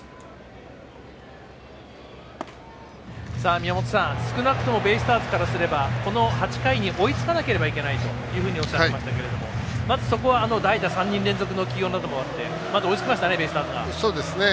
宮本さん、少なくともベイスターズからすればこの８回に追いつかなければいけないとおっしゃっていましたけどまず、そこは代打３人連続の起用などもあってまず追いつきましたねベイスターズが。